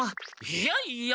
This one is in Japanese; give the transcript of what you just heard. いやいや。